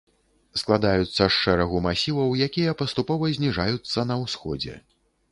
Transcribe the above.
Складаюцца з шэрагу масіваў, якія паступова зніжаюцца на ўсходзе.